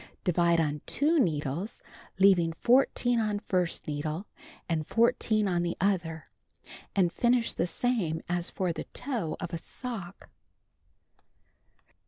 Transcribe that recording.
Divide on 2 needles, having 14 on first needle and 14 on the other, and finish the same as for the toe of a sock.